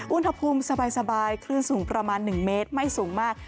อุณหภูมิสบายคลื่นสูงประมาณ๑เมตรไม่สูงมาก